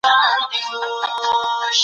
څوک د فرهنګي ډیپلوماسۍ مشري کوي؟